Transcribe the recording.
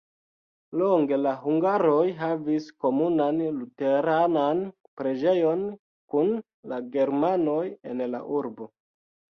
Longe la hungaroj havis komunan luteranan preĝejon kun la germanoj en la urbo.